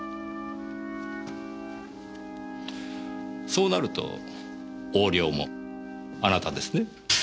そうなると横領もあなたですね？